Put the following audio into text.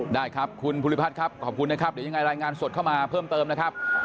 ได้ครับคุณภูริพัฒน์ครับขอบคุณนะครับเดี๋ยวยังไงรายงานสดเข้ามาเพิ่มเติมนะครับ